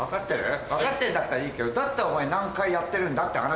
分かってんだったらいいけどお前何回やってるんだって話。